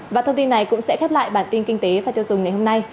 và thông tin này cũng sẽ khép lại bản tin kinh tế và tiêu dùng ngày hôm nay